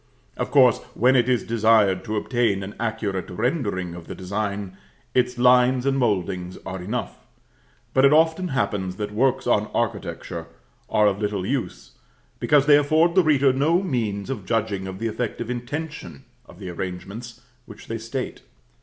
Of course, when it is desired to obtain an accurate rendering of the design, its lines and mouldings are enough; but it often happens that works on architecture are of little use, because they afford the reader no means of judging of the effective intention of the arrangements which they state.